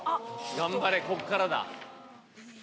頑張れ、ここからだ。